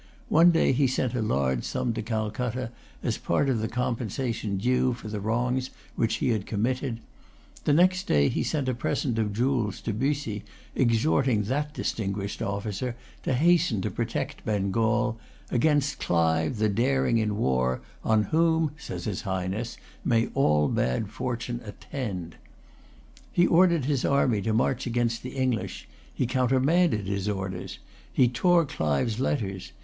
One day he sent a large sum to Calcutta, as part of the compensation due for the wrongs which he had committed, The next day he sent a present of jewels to Bussy, exhorting that distinguished officer to hasten to protect Bengal "against Clive, the daring in war, on whom," says his Highness, "may all bad fortune attend." He ordered his army to march against the English. He countermanded his orders. He tore Clive's letters.